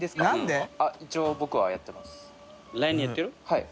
はい。